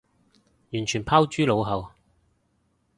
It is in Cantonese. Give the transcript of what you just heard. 完全拋諸腦後